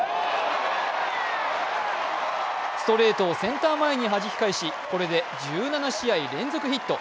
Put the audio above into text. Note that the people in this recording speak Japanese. ストレートをセンター前にはじき返し、これで１７試合連続ヒット。